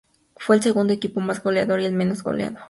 Fue el segundo equipo más goleador y el menos goleado.